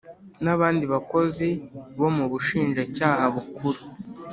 n abandi bakozi bo mu Bushinjacyaha Bukuru